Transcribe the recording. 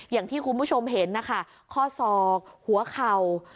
อย่างที่คุณผู้ชมเห็นนะคะข้อศอกหัวเข่า